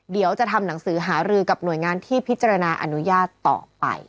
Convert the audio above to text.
เดี๋ยวจะทำหนังสือหารือกับหน่วยงานที่พิจารณาอนุญาตต่อไป